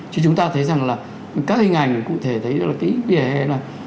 chứ chúng ta thấy rằng là các hình ảnh cụ thể thấy là cái vỉa hè này